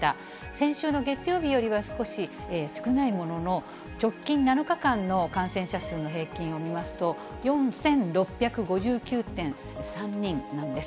先週の月曜日よりは少し少ないものの、直近７日間の感染者数の平均を見ますと、４６５９．３人なんです。